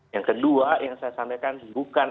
yang kedua yang saya sampaikan bukan